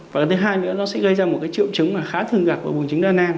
và thứ hai nữa nó sẽ gây ra một triệu trứng khá thường gặp của bùn trứng đa năng